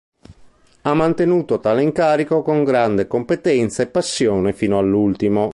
Ha mantenuto tale incarico con grande competenza e passione fino all'ultimo.